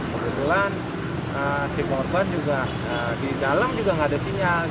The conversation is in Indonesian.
kebetulan si korban juga di dalam juga nggak ada sinyal